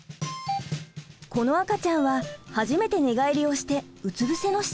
この赤ちゃんは初めて寝返りをしてうつぶせの姿勢になりました。